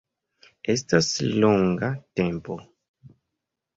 Estas longa tempo